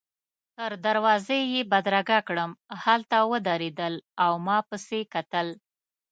تر دروازې يې بدرګه کړم، هلته ودرېدل او ما پسي کتل.